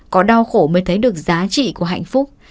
có đau khổ mới thấy được giá trị của hạnh phúc